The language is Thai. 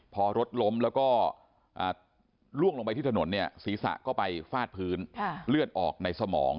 พอรถล้มแล้วก็ล่วงลงไปที่ถนนเนี่ยศีรษะก็ไปฟาดพื้นเลือดออกในสมอง